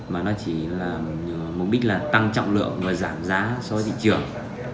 mà nó chỉ là mục đích là tăng trọng lượng và giảm giá so với thị trường